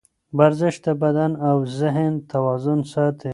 ورزش د بدن او ذهن توازن ساتي.